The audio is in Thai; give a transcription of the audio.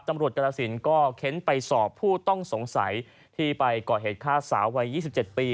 กรสินก็เค้นไปสอบผู้ต้องสงสัยที่ไปก่อเหตุฆ่าสาววัย๒๗ปี